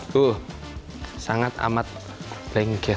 tuh sangat amat lengket